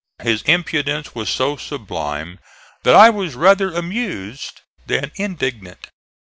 His impudence was so sublime that I was rather amused than indignant.